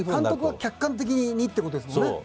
監督は客観的にってことですもんね。